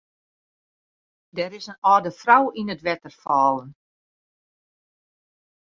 Der is in âlde frou yn it wetter fallen.